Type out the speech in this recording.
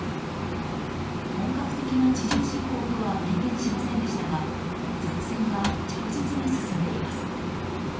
本格的な地上侵攻とは明言しませんでしたが作戦は着実に進んでいます。